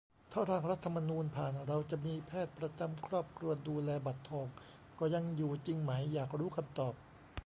ถ้า ร่างรัฐธรรมนูญ ผ่าน เราจะมีแพทย์ประจำครอบครัวดูแล บัตรทอง ก็ยังอยู่จริงไหม อยากรู้คำตอบ